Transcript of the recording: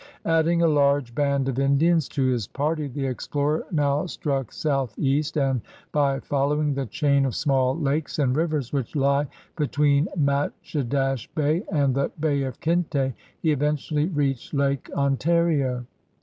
Adding a large band of Lidians to his party, the explorer now struck southeast and, by following the chain of small lakes and rivers which lie between Matchedash Bay and the Bay of Quinte, he eventually reached Lake On tario.